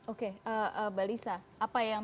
oke balisa apa yang